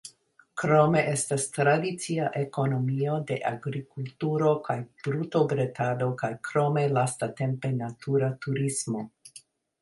Krome estas tradicia ekonomio de agrikulturo kaj brutobredado kaj krome lastatempe natura turismo.